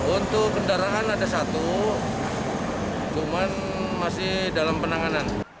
untuk kendaraan ada satu cuman masih dalam penanganan